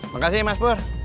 makasih mas pur